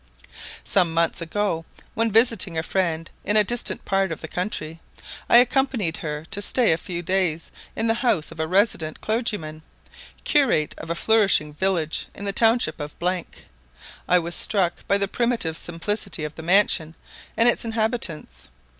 Some months ago, when visiting a friend in a distant part of the country, I accompanied her to stay a few days in the house of a resident clergyman, curate of a flourishing village in the township of . I was struck by the primitive simplicity of the mansion and its inhabitants.